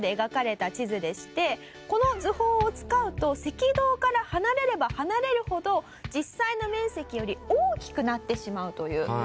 この図法を使うと赤道から離れれば離れるほど実際の面積より大きくなってしまうという。